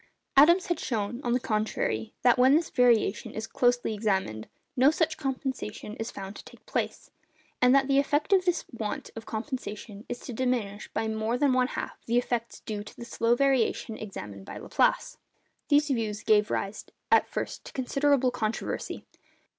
Adams has shown, on the contrary, that when this variation is closely examined, no such compensation is found to take place; and that the effect of this want of compensation is to diminish by more than one half the effects due to the slow variation examined by Laplace. These views gave rise at first to considerable controversy.